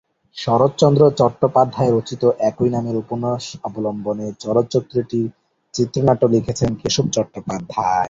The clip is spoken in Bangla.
শরৎচন্দ্র চট্টোপাধ্যায় রচিত একই নামের উপন্যাস অবলম্বনে চলচ্চিত্রটির চিত্রনাট্য লিখেছেন কেশব চট্টোপাধ্যায়।